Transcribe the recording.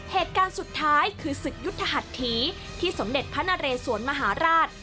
เหตุการณ์สุดท้ายคือศึกยุทธหัสถีที่สมเด็จพระนเรสวนมหาราช